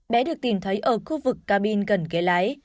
bé được tìm thấy ở khu vực cabin gần ghế lái